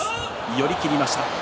寄り切りました。